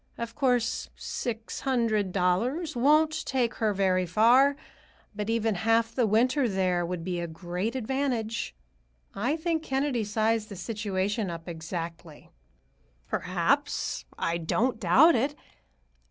Of course, six hundred dollars won't take her very far, but even half the winter there would be a great advantage. I think Kennedy sized the situation up exactly." "Perhaps; I don't doubt it.